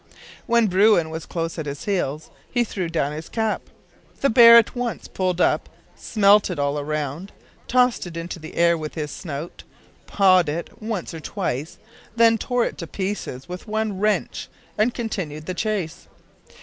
When bruin was close at his heels he threw down his cap. The bear at once pulled up, smelt it all round, tossed it into the air with his snout, pawed it once or twice, then tore it to pieces with one wrench, and continued the chase.